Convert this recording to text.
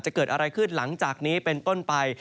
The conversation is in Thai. จะเกิดอะไรขึ้นหลังจากนี้เป็นต้นไป